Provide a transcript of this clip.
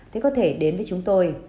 thì có thể đến với chúng tôi